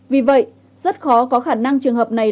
vì vậy rất khó có khả năng trường hợp này